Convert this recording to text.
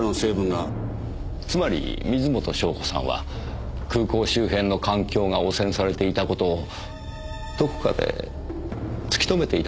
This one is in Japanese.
つまり水元湘子さんは空港周辺の環境が汚染されていた事をどこかで突き止めていたのでしょうかねぇ。